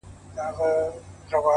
وخت د ارمانونو صداقت څرګندوي